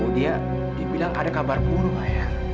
dia dibilang ada kabar buruk ayah